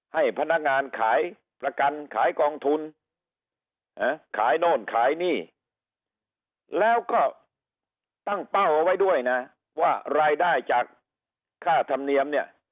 ให้พนักงานขายประกันขายกองทุนขายโน่นขายนี่แล้วก็ตั้งเป้าเอาไว้ด้วยนะว่ารายได้จากค่าธรรมเนียมเนี่ย